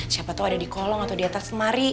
siapa tuh ada di kolong atau di atas semari